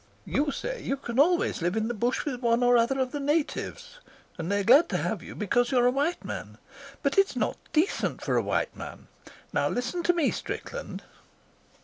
You say you can always live in the bush with one or other of the natives, and they're glad to have you because you're a white man, but it's not decent for a white man. Now, listen to me, Strickland.'"